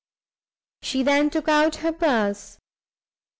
She then took out her purse.